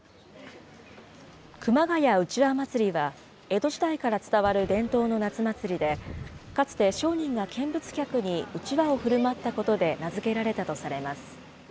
熊谷うちわ祭は、江戸時代から伝わる伝統の夏祭りで、かつて商人が見物客にうちわをふるまったことで名付けられたとされます。